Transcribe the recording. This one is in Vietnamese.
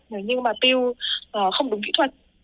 nhưng mà piu không đúng kỹ thuật